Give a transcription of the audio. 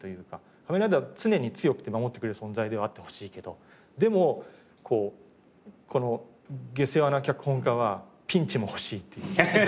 仮面ライダーは常に強くて守ってくれる存在ではあってほしいけどでもこうこの下世話な脚本家はピンチも欲しいっていう。